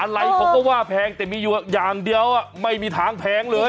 อะไรเขาก็ว่าแพงแต่มีอยู่อย่างเดียวไม่มีทางแพงเลย